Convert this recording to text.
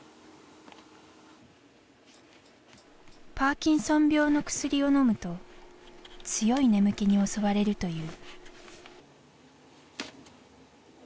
パーキンソン病の薬をのむと強い眠気に襲われるという。